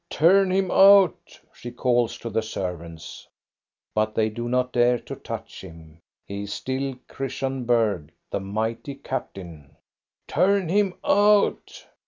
" Turn him out !" she calls to the servants. But they do not dare to touch him. He is still Christian Bergh, the mighty captain. " Turn him out